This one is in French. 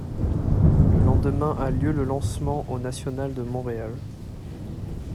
Le lendemain a lieu le lancement au National de Montréal.